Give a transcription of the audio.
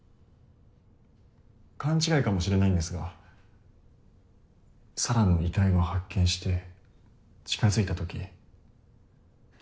勘違いかもしれないんですが沙良の遺体を発見して近づいたとき。